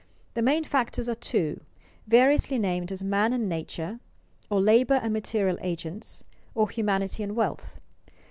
The main factors are two, variously named as man and nature, or labor and material agents, or humanity and wealth.